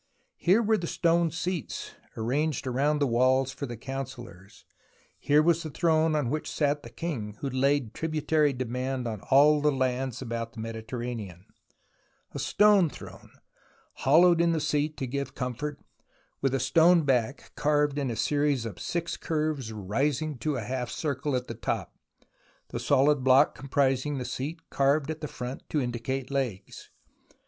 Here were the stone seats arranged round the walls for the councillors, here was the throne on which sat the king who laid tributary on all the lands about the Mediterranean, a stone throne, hollowed in the seat to give comfort, with a stone back carved in a series of six curves rising to a half circle at the top, the solid block com prising the seat carved at the front to indicate legs.